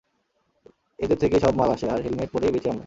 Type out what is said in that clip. এদের থেকেই সব মাল আসে, আর হেলমেট পরেই বেচি আমরা।